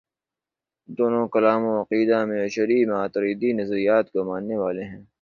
دونوں کلام و عقیدہ میں اشعری و ماتریدی نظریات کو ماننے والے ہیں۔